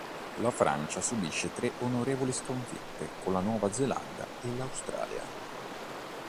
La Francia subisce tre onorevoli sconfitte con Nuova Zelanda e Australia.